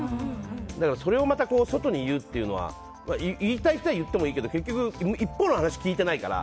だから、それをまた外に言うというのは言いたい人は言ってもいいけど結局、一方の話聞いてないから。